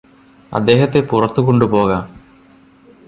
അദ്ദേഹത്തെ പുറത്തു കൊണ്ടു പോകാം